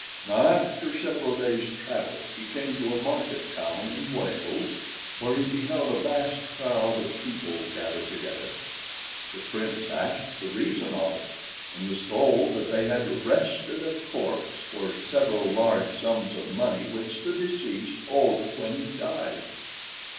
Now, after several days' travel, he came to a market town in Wales, where he beheld a vast crowd of people gathered together. The Prince asked the reason of it, and was told that they had arrested a corpse for several large sums of money which the deceased owed when he died.